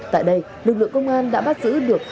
tại đây lực lượng công an đã bắt giữ được